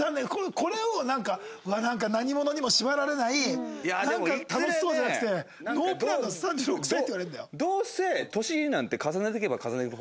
これをなんかうわっ何ものにも縛られないなんか楽しそうじゃなくてノープランの３６歳って言われるんだよ。